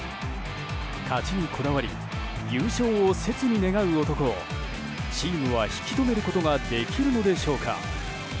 勝ちにこだわり優勝を切に願う男をチームは、引き止めることができるのでしょうか。